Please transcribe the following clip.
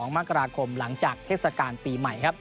๒มกราคมหลังจากเทศกาลปีใหม่ครับ